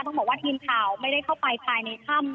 ต้องบอกว่าทีมข่าวไม่ได้เข้าไปภายในถ้ำ